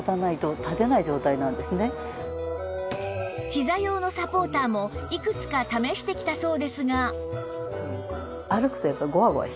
ひざ用のサポーターもいくつか試してきたそうですが